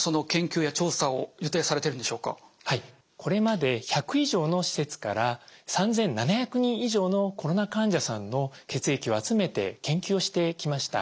これまで１００以上の施設から３，７００人以上のコロナ患者さんの血液を集めて研究をしてきました。